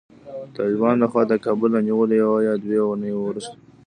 د طالبانو له خوا د کابل له نیولو یوه یا دوې اوونۍ وروسته